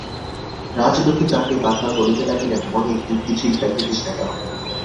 রাজলক্ষ্মী তাহাকে বার বার বলিতে লাগিলেন, মহিন, তুই কিছুই খাইতেছিস না কেন।